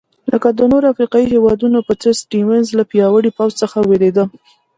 لکه د نورو افریقایي هېوادونو په څېر سټیونز له پیاوړي پوځ څخه وېرېده.